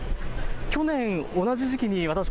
去年、同じ時期に私